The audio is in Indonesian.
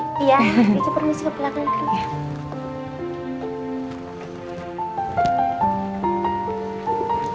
iya kiki permisi ke belakang